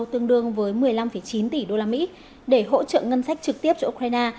tương đương với một mươi năm chín tỷ usd để hỗ trợ ngân sách trực tiếp cho ukraine